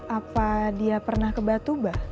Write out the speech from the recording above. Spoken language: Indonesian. apa dia pernah ke batuba